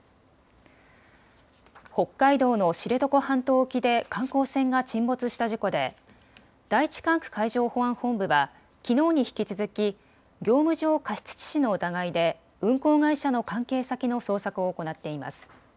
北海道の知床半島沖で観光船が沈没した事故で第１管区海上保安本部はきのうに引き続き業務上過失致死の疑いで運航会社の関係先の捜索を行っています。